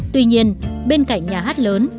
tuy nhiên bên cạnh nhà hát lớn